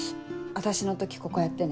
私の時ここやってね。